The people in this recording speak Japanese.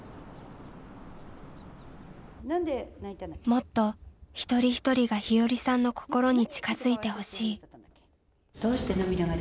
もっと一人一人が日和さんの心に近づいてほしい。